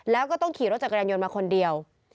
แล้วก็ต้องขี่รถจักรยานยนต์มาคนเดียว